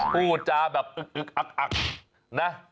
พูดจาแบบอึกอักนะ